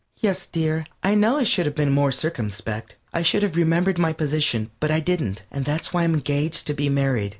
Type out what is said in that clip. _) Yes, dear, I know I should have been more circumspect. I should have remembered my position, but I didn't. And that's why I'm engaged to be married.